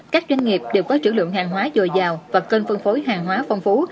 các doanh nghiệp đều có chữ lượng hàng hóa dồi dào và kênh phân phối hàng hóa phong phú